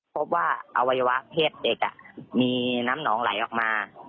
พบว่าอวัยวะเพศเด็กมีน้ำหนองไหลออกมา